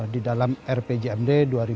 di dalam rpjmd dua ribu delapan belas